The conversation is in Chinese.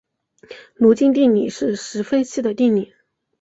卢津定理是实分析的定理。